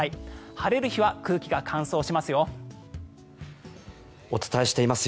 晴れる日は空気が乾燥しますよ。